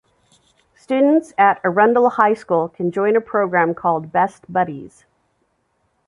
Students at Arundel High School can join a program called Best Buddies.